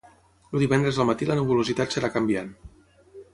El divendres al matí la nuvolositat serà canviant.